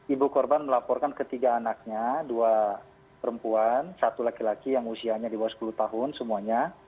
ibu korban melaporkan ketiga anaknya dua perempuan satu laki laki yang usianya di bawah sepuluh tahun semuanya